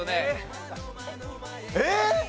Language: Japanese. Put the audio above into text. えっ！？